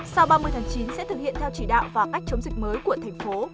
sau ba mươi tháng chín sẽ thực hiện theo chỉ đạo và cách chống dịch mới của thành phố